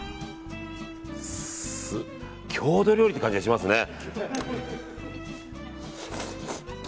郷土料理って感じがしますね。